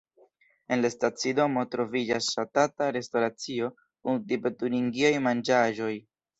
En la stacidomo troviĝas ŝatata restoracio kun tipe turingiaj manĝaĵoj.